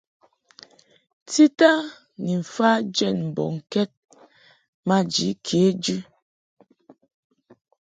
Tita ni mfa jɛd mbɔŋkɛd maji kejɨ.